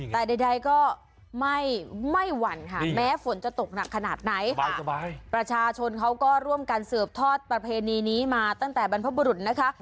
แต่ใดก็ไม่หวั่นค่ะแม้ฝนจะตกหนักขนาดไหนประชาชนเขาก็ร่วมกันสืบทอดประเพณีนี้มาตั้งแต่บรรพบุรุษนะคะ